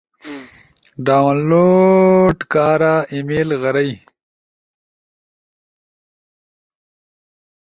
ڈاؤن لوڈ کارا ای میل غرئی